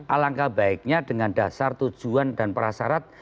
alangkah baiknya dengan dasar tujuan dan prasarat